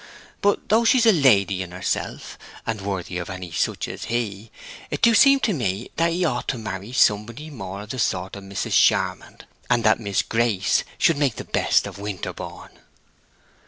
But though she's a lady in herself, and worthy of any such as he, it do seem to me that he ought to marry somebody more of the sort of Mrs. Charmond, and that Miss Grace should make the best of Winterborne."